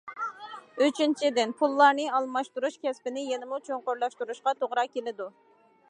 ئۈچىنچىدىن، پۇللارنى ئالماشتۇرۇش كەسپىنى يەنىمۇ چوڭقۇرلاشتۇرۇشقا توغرا كېلىدۇ.